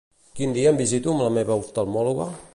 Quin dia em visito amb la meva oftalmòloga?